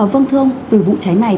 vâng thưa ông từ vụ cháy này